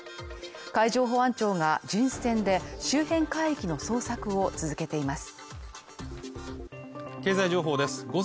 海上保安庁が巡視船で、周辺海域の捜索を続けています。